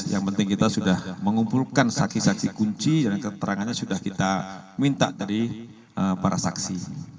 yang penting kita sudah mengumpulkan saksi saksi kunci dan keterangannya sudah kita minta dari para saksi